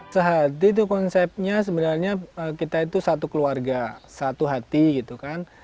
sehati itu konsepnya sebenarnya kita itu satu keluarga satu hati gitu kan